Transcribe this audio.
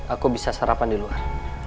aku bisa sarapan di luar